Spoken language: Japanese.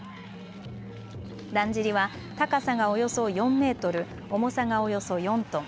だんじりは高さがおよそ４メートル、重さがおよそ４トン。